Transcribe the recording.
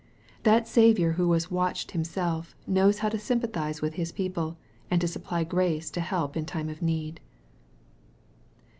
That Saviour who was " watched" Himself, knows how to sympathize with his people, and to supply grace to help in time of need.